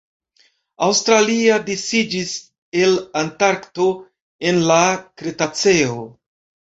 Australia disiĝis el Antarkto en la Kretaceo.